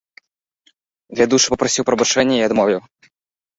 Вядучы папрасіў прабачэння і адмовіў.